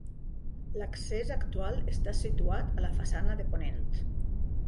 L'accés actual està situat a la façana de ponent.